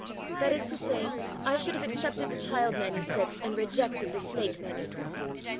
That is to say, I should have accepted the child manuscript, and rejected the snake manuscript.